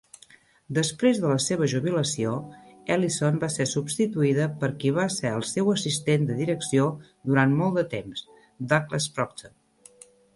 Després de la seva jubilació, Ellison va ser substituïda per qui va ser el seu assistent de direcció durant molt de temps, Douglas Proctor.